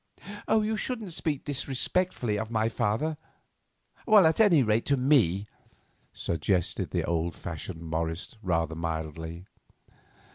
"You shouldn't speak disrespectfully of my father; at any rate, to me," suggested the old fashioned Morris, rather mildly.